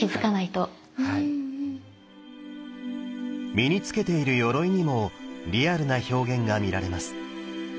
身に着けているよろいにもリアルな表現が見られます。